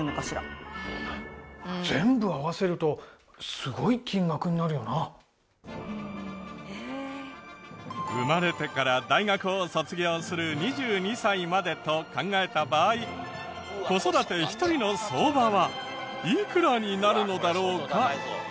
そもそも生まれてから大学を卒業する２２歳までと考えた場合子育て１人の相場はいくらになるのだろうか？